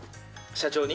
社長に。